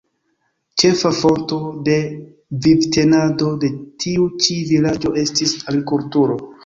Ĉefa fonto de vivtenado de tiu ĉi vilaĝo estis agrikulturo.